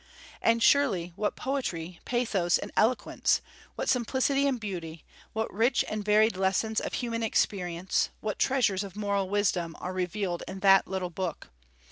And surely what poetry, pathos, and eloquence, what simplicity and beauty, what rich and varied lessons of human experience, what treasures of moral wisdom, are revealed in that little book!